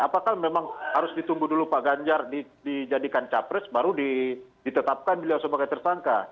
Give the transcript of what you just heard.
apakah memang harus ditunggu dulu pak ganjar dijadikan capres baru ditetapkan beliau sebagai tersangka